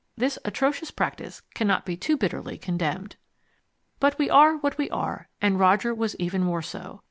This atrocious practice cannot be too bitterly condemned. But we are what we are, and Roger was even more so.